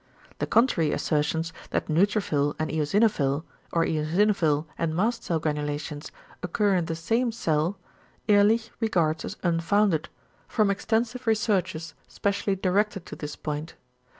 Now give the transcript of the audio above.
The contrary assertions that neutrophil and eosinophil, or eosinophil and mast cell granulations occur in the same cell Ehrlich regards as unfounded, from extensive researches specially directed to this point.